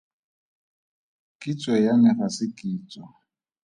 Kitso ya me ga se kitso.